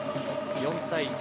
４対１。